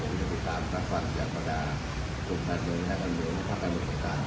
ผมจะไปตามทางฝั่งอย่างประดาษจุดนัดเงินให้กันเงินภาคกรรมศึกษา